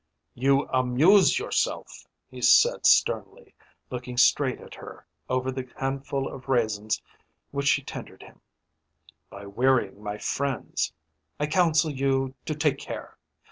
"You amuse yourself," he said sternly, looking straight at her over the handful of raisins which she tendered him, "by wearying my friends. I counsel you to take care.